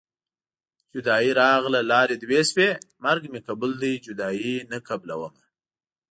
جدايي راغله لارې دوه شوې مرګ مې قبول دی جدايي نه قبلومه